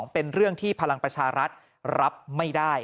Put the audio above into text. เป็นเรื่องที่พลังประชารัฐรับไม่ได้